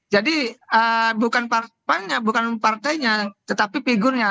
jadi bukan partainya tetapi figurnya